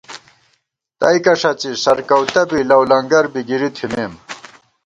تئیکہ ݭڅی سرکؤتہ بی لؤلنگر بی گِرِی تھِمېم